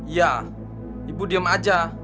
iya ibu diem aja